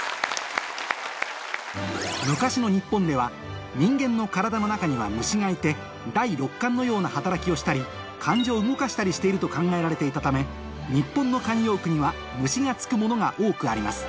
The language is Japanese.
昔の日本では人間の体の中には虫がいて第六感のような働きをしたり感情を動かしたりしていると考えられていたため日本の慣用句には虫がつくものが多くあります